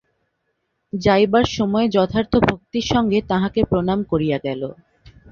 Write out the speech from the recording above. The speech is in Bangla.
যাইবার সময় যথার্থ ভক্তির সঙ্গে তাঁহাকে প্রণাম করিয়া গেল।